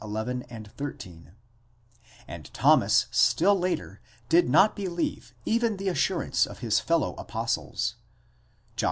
11, 13), and Thomas still later did not believe even the assurance of his fellow apostles (John xx.